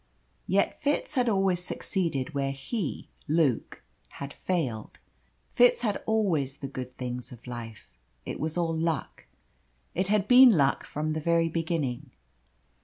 Yet Fitz had always succeeded where he, Luke, had failed. Fitz had always the good things of life. It was all luck. It had been luck from the very beginning.